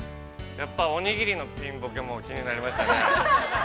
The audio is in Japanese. ◆やっぱおにぎりのピンぼけも気になりましたね。